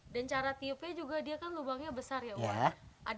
dan cara tiupnya juga dia kan lubangnya besar ya bu wan